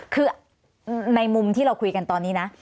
คือในมุมที่เราคุยกันตอนนี้นะ